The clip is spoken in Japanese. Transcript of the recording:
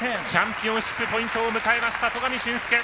チャンピオンシップポイントを迎えました戸上隼輔！